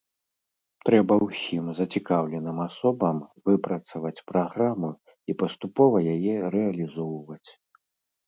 Трэба ўсім зацікаўленым асобам выпрацаваць праграму і паступова яе рэалізоўваць.